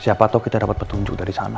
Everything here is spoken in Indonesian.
siapa tau kita dapat petunjuk dari sana